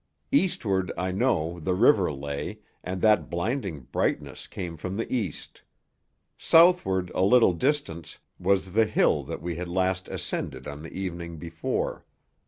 Eastward, I know, the river lay, and that blinding brightness came from the east. Southward a little distance, was the hill that we had last ascended on the evening before.